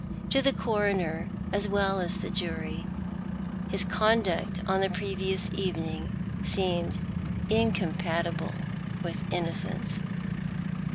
To the Coroner as well iis to the jury his conduct on the previous evening seemed incompatible with innocence.